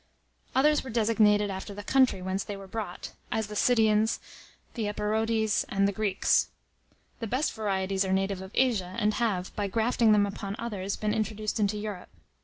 Others were designated after the country whence they were brought; as the Sidonians, the Epirotes, and the Greeks. The best varieties are natives of Asia, and have, by grafting them upon others, been introduced into Europe.